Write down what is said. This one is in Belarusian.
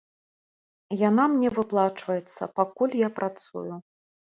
Яна мне выплачваецца, пакуль я працую.